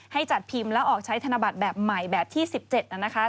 จัดพิมพ์แล้วออกใช้ธนบัตรแบบใหม่แบบที่๑๗นะคะ